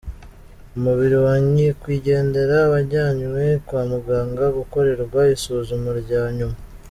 Umubiri wa nyakwigendera wajyanywe kwa muganga gukorerwa isuzuma rya nyuma.